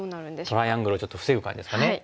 トライアングルをちょっと防ぐ感じですかね。